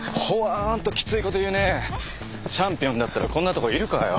チャンピオンだったらこんなとこいるかよ。